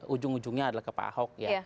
ujung ujungnya adalah ke pak ahok ya